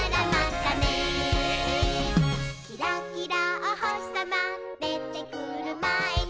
「キラキラおほしさまでてくるまえに」